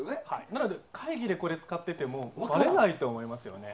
なので会議でこれを使っててもばれないと思いますね。